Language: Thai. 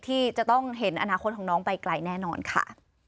ที่จะต้องเห็นอนาคตของน้องไปไกลแน่นอนค่ะ